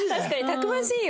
たくましいよ。